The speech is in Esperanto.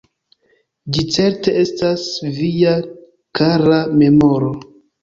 Ĝi certe estas via kara memoro.